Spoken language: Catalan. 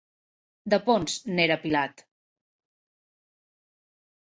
De Ponts, n'era Pilat.